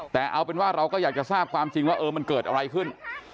แต่เอาเป็นว่าเราก็อยากจะทราบความจริงว่าเออมันเกิดอะไรขึ้น